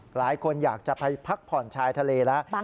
หลายคนอยากจะไปพักผ่อนชายทะเลแล้ว